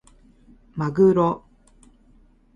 まぐろ